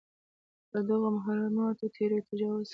پر دغو محرماتو تېری او تجاوز.